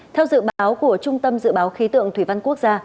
theo dự báo của trung tâm dự báo khí tượng thủy văn quốc gia